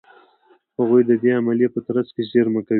هغوی د دې عملیې په ترڅ کې زېرمه کوي.